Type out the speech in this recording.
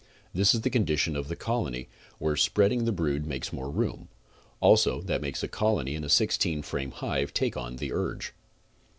This is the condition of colony where spreading the brood makes more room, also that makes a colony in a sixteen frame hive take on the urge.